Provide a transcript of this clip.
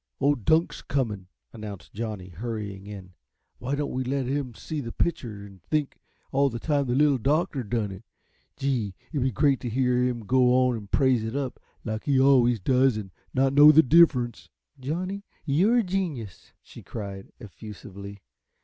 Old Dunk's comin'," announced Johnny, hurrying in. "Why don't yuh let 'im see the pitcher an' think all the time the Little Doctor done it? Gee, it'd be great t' hear 'im go on an' praise it up, like he always does, an' not know the diffrunce." "Johnny, you're a genius," cried she, effusively.